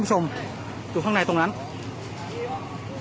มันก็ไม่ต่างจากที่นี่นะครับ